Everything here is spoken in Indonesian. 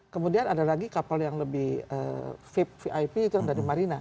kemudian ada lagi kapal yang lebih vip itu yang dari marina